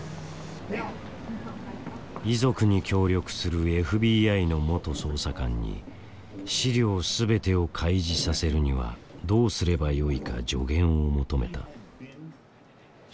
遺族に協力するＦＢＩの元捜査官に資料全てを開示させるにはどうすればよいか助言を求めた。